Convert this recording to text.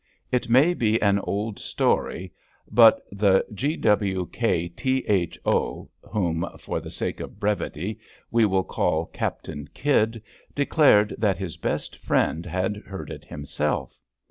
It may be an old story, but the G.W.K.T.H.O., whom, for the sake of brevity, we will call Captain Kydd, de clared that his best friend had heard it himself.